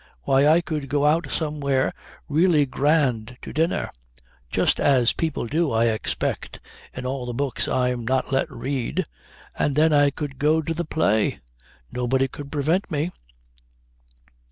"Why, I could go out somewhere really grand to dinner, just as people do I expect in all the books I'm not let read, and then I could go to the play nobody could prevent me.